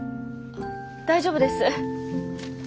あっ大丈夫です。